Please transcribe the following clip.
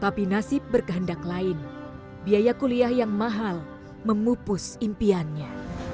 tapi nasib berkehendak lain biaya kuliah yang mahal memupus impiannya